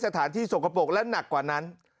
สถานที่สกปรกและหนักกว่านั้น